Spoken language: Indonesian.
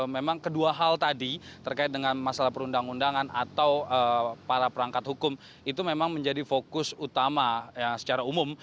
memang kedua hal tadi terkait dengan masalah perundang undangan atau para perangkat hukum itu memang menjadi fokus utama secara umum